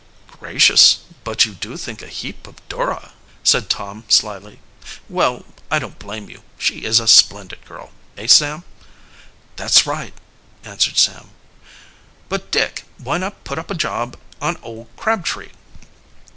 "Gracious, but you do think a heap of Dora!" said Tom slyly. "Well, I don't blame you. She is a splendid girl eh, Sam?" "That's right," answered Sam. "But, Dick, why not put up a job on old Crabtree?"